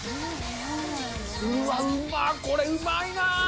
うわ、うまっ、これうまいなあ。